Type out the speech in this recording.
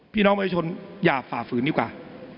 พี่น้องประชาชนอย่าฝ่าฝืนดีกว่า